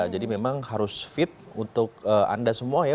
jadi memang harus fit untuk anda semua ya